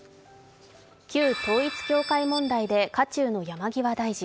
旧統一教会問題で渦中の山際大臣。